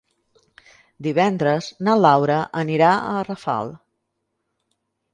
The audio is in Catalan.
Divendres na Laura anirà a Rafal.